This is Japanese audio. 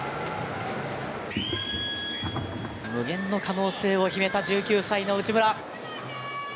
無限の可能性を秘めた１９歳の内村。